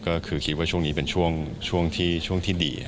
ก็คือคิดว่าช่วงนี้เป็นช่วงที่ดี